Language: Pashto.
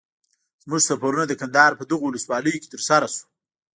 زموږ سفرونه د کندهار په دغو ولسوالیو کي تر سره سو.